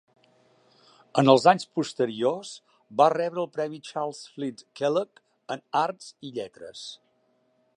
En els anys posteriors va rebre el premi Charles Flint Kellogg en Arts i Lletres.